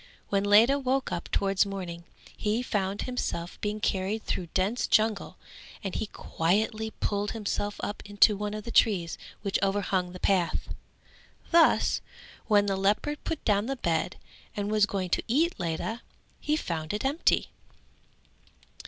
When Ledha woke up towards morning, he found himself being carried through dense jungle and he quietly pulled himself up into one of the trees which overhung the path. Thus when the leopard put down the bed and was going to eat Ledha, he found it empty.